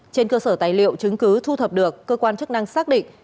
trên cơ sở tài liệu chứng cứ thu thập được cơ quan chức năng xác định